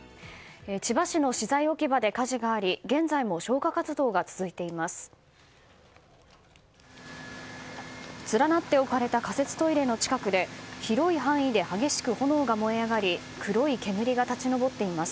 千葉市の資材置き場で火事があり現在も消火活動が続いています。